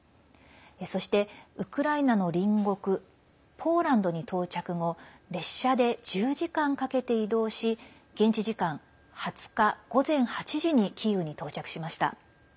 そして、ウクライナの隣国ポーランドに到着後列車で１０時間かけて移動し現地時間２０日午前８時にキーウに到着しました。